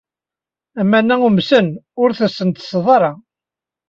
Aman-a umsen, ur ten-sess ara.